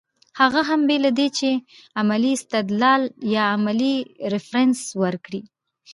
هغه هم بې له دې چې علمي استدلال يا علمي ريفرنس ورکړي